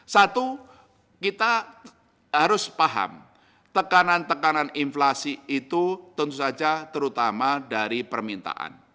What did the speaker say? satu kita harus paham tekanan tekanan inflasi itu tentu saja terutama dari permintaan